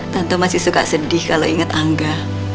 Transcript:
tante masih suka sedih kalau ingat angga